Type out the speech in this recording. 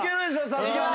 さすがに。